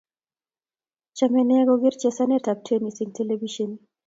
Chame nea kokere chesanet ab tenis eng telepisien